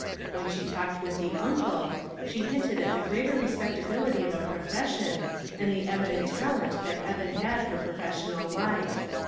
When she talked with the uncle, she hinted at the greater respect ability of a profession, and the evident talent that Eben had for professional life.